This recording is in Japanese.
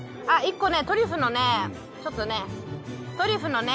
あっ１個ねトリュフのねちょっとね。